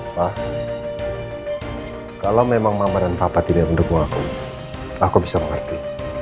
wah kalau memang mama dan papa tidak mendukung aku aku bisa mengerti